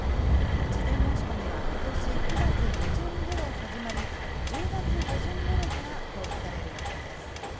事前申し込みはことし９月下旬ごろ始まり、１０月下旬ごろから交付される予定です。